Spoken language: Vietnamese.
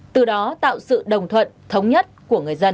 từ đó tạo sự đồng thuận thống nhất của người dân